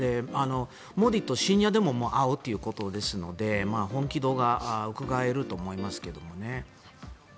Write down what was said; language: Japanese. モディと深夜でも会うということですので本気度がうかがえると思いますけれどもね。